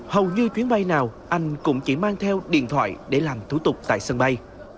hầu như chuyến bay nào anh cũng chỉ mang theo điện thoại để làm thủ tục tại sân bay